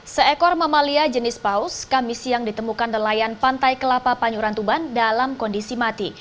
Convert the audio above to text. seekor mamalia jenis paus kami siang ditemukan nelayan pantai kelapa panyuran tuban dalam kondisi mati